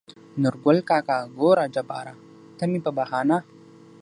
نورګل کاکا: ګوره جباره ته مې په بهانه